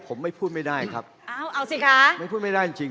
ผมไม่พูดไม่ได้ครับเอาเอาสิคะไม่พูดไม่ได้จริงจริง